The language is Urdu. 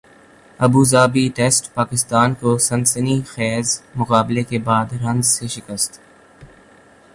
ابو ظہبی ٹیسٹ پاکستان کو سنسنی خیزمقابلے کے بعد رنز سے شکست